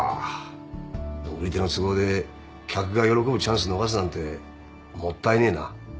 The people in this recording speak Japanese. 売り手の都合で客が喜ぶチャンス逃すなんてもったいねえな。